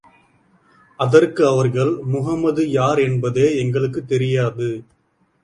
அதற்கு அவர்கள், முஹம்மது யார் என்பதே எங்களுக்குத் தெரியாது.